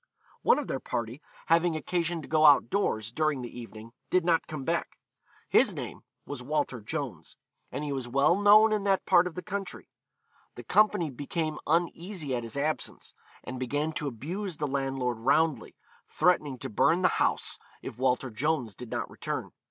One of their party, having occasion to go out doors during the evening, did not come back; his name was Walter Jones, and he was well known in that part of the country. The company became uneasy at his absence, and began to abuse the landlord roundly, threatening to burn the house if Walter Jones did not return.